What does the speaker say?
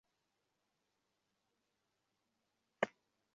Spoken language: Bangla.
তারপর বহু চড়াই-উতরাই পেরিয়ে গন্তব্যস্থলের দিকে ছুটে চললেন।